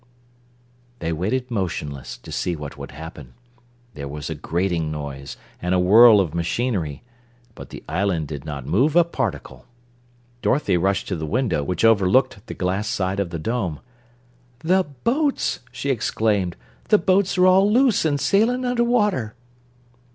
They waited motionless to see what would happen. There was a grating noise and a whirl of machinery, but the island did not move a particle. Dorothy rushed to the window, which overlooked the glass side of the dome. "The boats!" she exclaimed. "The boats are all loose an' sailing under water."